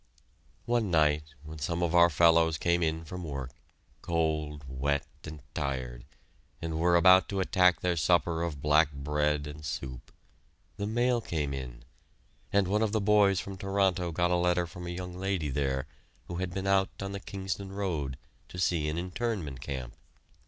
One night, when some of our fellows came in from work, cold, wet, and tired, and were about to attack their supper of black bread and soup, the mail came in, and one of the boys from Toronto got a letter from a young lady there who had been out on the Kingston Road to see an Internment Camp.